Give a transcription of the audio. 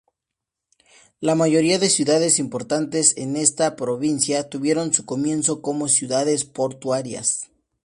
La mayoría de ciudades importantes en esta provincia tuvieron su comienzo como ciudades portuarias.